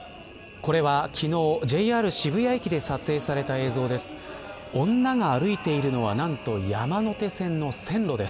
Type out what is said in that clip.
これは昨日、ＪＲ渋谷駅で撮影された映像です。